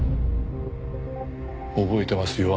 覚えてますよ。